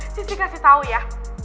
sissy kasih tau ya